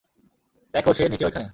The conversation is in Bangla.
দেখ, সে নিচে ওইখানে।